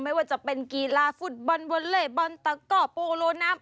ไม่ว่าจะเป็นกีฬาฟุตบอลวอลเล่บอลตะก่อโปโลน้ำ